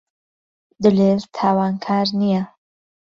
دلێر تاوانکار نییە.